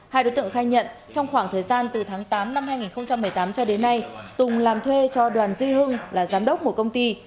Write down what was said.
hai đối tượng khai nhận trong khoảng thời gian từ tháng tám năm hai nghìn một mươi tám cho đến nay tùng làm thuê cho đoàn duy hưng là giám đốc một công ty